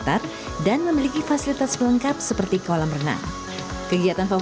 taman wisata ikonek